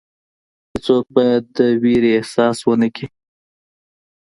هیڅوک باید د ویري احساس ونه کړي.